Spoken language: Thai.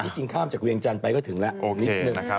สินคลาดจากเวียงจันทร์ไปก็ถึงละนิดนึง